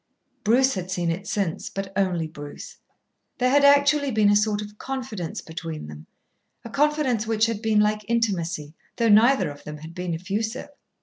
Bruce had seen it since, but only Bruce. There had actually been a sort of confidence between them a confidence which had been like intimacy, though neither of them had been effusive.